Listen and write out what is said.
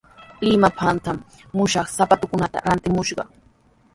Limatrawmi mushuq sapatukunata rantimushqaa.